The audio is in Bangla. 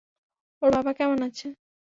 ওর বাবা কেমন আছে?